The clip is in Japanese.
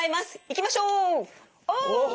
いきましょう！